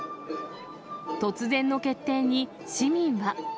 突然の決定に、市民は。